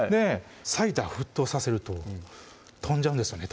サイダー沸騰させると飛んじゃうんですよね